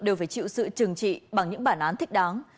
đều phải chịu sự trừng trị bằng những bản án thích đáng